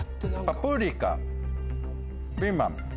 パプリカピーマン。